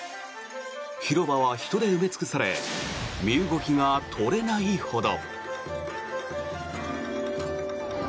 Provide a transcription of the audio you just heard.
広場は人で埋め尽くされ身動きが取れないほど。